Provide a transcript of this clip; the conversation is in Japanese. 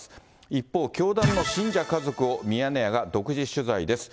一方、教団の信者家族をミヤネ屋が独自取材です。